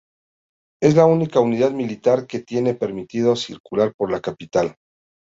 Es la única unidad militar que tiene permitido circular por la capital.